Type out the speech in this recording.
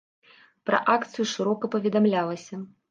Пра акцыю шырока паведамлялася.